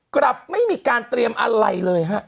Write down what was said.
กลับไม่มีการเตรียมอะไรเลยฮะ